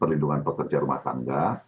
perlindungan pekerja rumah tangga